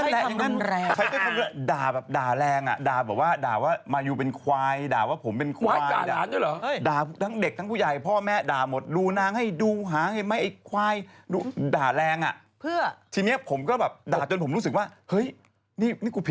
ถ้าดูแบบพัฒนาการของลูกอะไรอย่างนี้